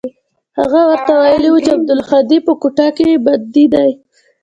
هغه ورته ويلي و چې عبدالهادي په کوټه کښې بندي دى.